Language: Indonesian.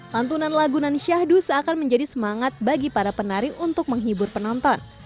lantunan lagunan syahdu seakan menjadi semangat bagi para penari untuk menghibur penonton